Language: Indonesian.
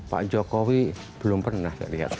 pak jokowi belum pernah lihat